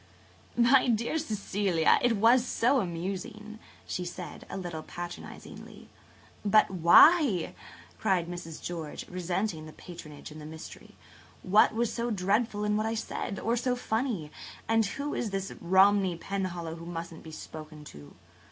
"My dear Cecilia, it was so amusing," she said, a little patronizingly. "But why! " cried Mrs. George, resenting the patronage and the mystery. "What was so dreadful in what I said? Or so funny? And who is this Romney Penhallow who musn't be spoken to?"